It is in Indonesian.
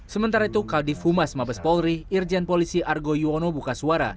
sementara itu kadif humas mabes polri irjen polisi argo yuwono buka suara